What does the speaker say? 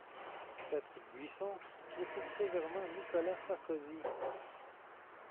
Patrick Buisson critique sévèrement Nicolas Sarkozy.